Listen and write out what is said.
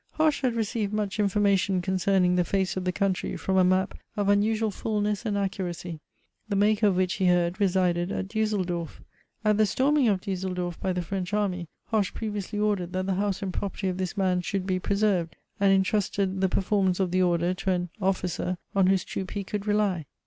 Hoche had received much information concerning the face of the country from a map of unusual fulness and accuracy, the maker of which, he heard, resided at Duesseldorf. At the storming of Duesseldorf by the French army, Hoche previously ordered, that the house and property of this man should be preserved, and intrusted the performance of the order to an officer on whose troop he could rely.